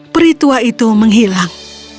peritua itu menghilang